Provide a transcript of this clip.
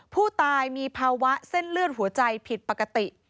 ผู้ตายมีภาวะเส้นเลือดหัวใจผิดปกติ